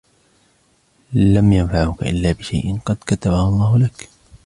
لَمْ يَنْفَعُوكَ إِلاَّ بِشَيْءٍ قَدْ كَتَبَهُ اللهُ لَكَ،